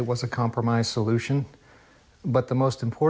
ตอนที่จบเรื่องมันไม่มีผล